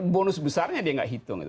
bonus besarnya dia nggak hitung